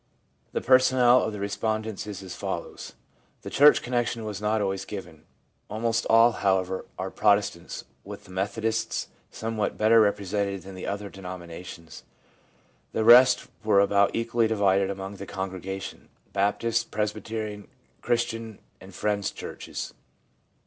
The personnel of the respondents is as follows :— The SOURCES FOR THE STUDY OF CONVERSION 25 church connection was not always given ; almost all, however, are Protestants, with the Methodists somewhat better represented than the other denominations. The rest were about equally divided among the Congrega tional, Baptist, Presbyterian, Christian and Friend's Churches.